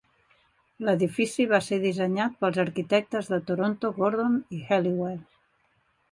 L'edifici va ser dissenyat pels arquitectes de Toronto Gordon i Helliwell.